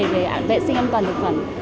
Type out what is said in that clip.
về vệ sinh an toàn thực phẩm